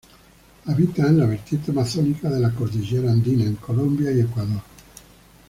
Habita en la vertiente amazónica de la cordillera andina, en Colombia y Ecuador.